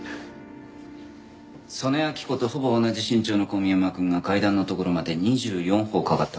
曽根明子とほぼ同じ身長の小宮山くんが階段の所まで２４歩かかったからな。